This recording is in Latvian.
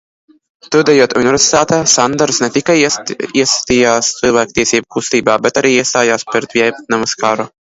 Studējot universitātē, Sanderss ne tikai iesaistījās civiltiesību kustībā, bet arī iestājās pret Vjetnamas karu.